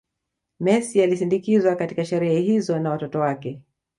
Messi alisindikizwa katika sherehe hizo na watoto wake